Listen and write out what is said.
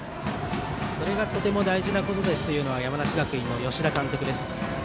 それがとても大事なことですと言うのは山梨学院の吉田監督です。